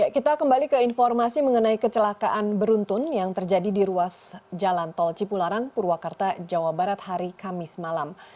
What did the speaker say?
kita kembali ke informasi mengenai kecelakaan beruntun yang terjadi di ruas jalan tol cipularang purwakarta jawa barat hari kamis malam